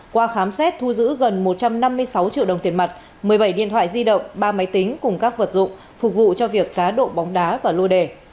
qua khám xét thu giữ gần một trăm năm mươi sáu triệu đồng tiền mặt một mươi bảy điện thoại di động ba máy tính cùng các vật dụng phục vụ cho việc cá độ bóng đá và lô đề